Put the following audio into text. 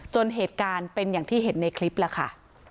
เหตุการณ์เป็นอย่างที่เห็นในคลิปล่ะค่ะ